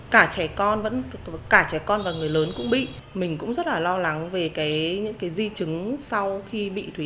cả trẻ con và người lớn cũng bị mình cũng rất là lo lắng về những di trứng sau khi bị thủy